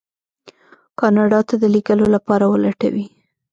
کاناډا ته د لېږلو لپاره ولټوي.